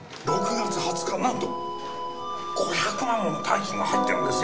なんと５００万もの大金が入ってるんですよ。